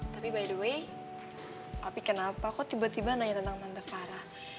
tapi by the way api kenapa kok tiba tiba nanya tentang tante farah